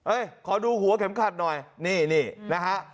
ขอดูหัวเข็มขัดหน่อยนี่นี่นะฮะ